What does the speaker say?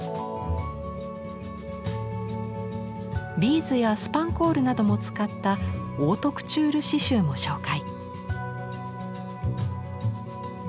ビーズやスパンコールなども使ったオートクチュール刺繍も紹介。